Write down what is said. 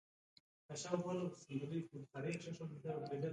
هر درمل باید د ځانګړو شرایطو لاندې وساتل شي.